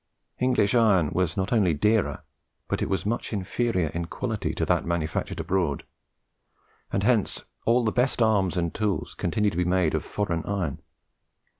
English iron was not only dearer, but it was much inferior in quality to that manufactured abroad; and hence all the best arms and tools continued to be made of foreign iron.